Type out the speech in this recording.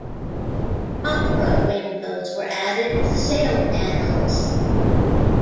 "Opera" windows were added to the sail panels.